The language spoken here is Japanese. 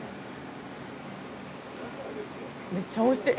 めっちゃおいしい！